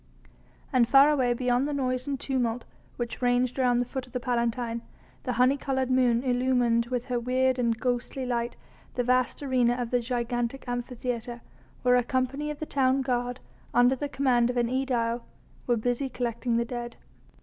And far away beyond the noise and tumult which ranged around the foot of the Palatine, the honey coloured moon illumined with her weird and ghostly light the vast arena of the gigantic Amphitheatre, where a company of the town guard, under the command of an aedile, were busy collecting the dead.